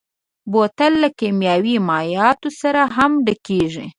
بوتل له کيمیاوي مایعاتو سره هم ډکېږي.